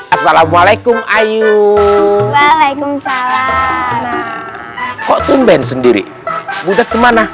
assalamualaikum ayu waalaikumsalam kok tumben sendiri bugat kemana